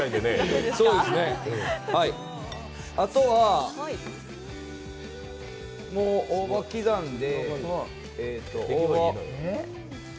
あとは、もう大葉刻んで。